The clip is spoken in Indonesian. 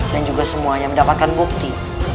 dan juga semuanya mendapatkan bukti